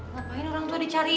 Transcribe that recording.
kenapa ini orang tua dicarin